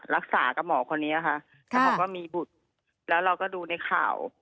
รักษากับหมอคนนี้ค่ะแต่เขาก็มีบุตรแล้วเราก็ดูในข่าว